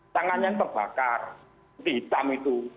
tangannya terbakar seperti hitam itu